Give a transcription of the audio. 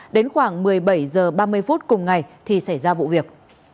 đến khoảng một mươi bảy h ba mươi phút cùng ngày thì xảy ra vụ việc